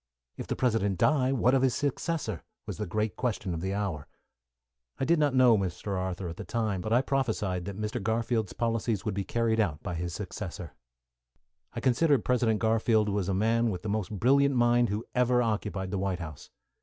"If the President die, what of his successor?" was the great question of the hour. I did not know Mr. Arthur at that time, but I prophesied that Mr. Garfield's policies would be carried out by his successor. I consider President Garfield was a man with the most brilliant mind who ever occupied the White House.